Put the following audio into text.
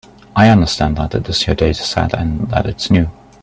I understand that it is your dataset, and that it is new.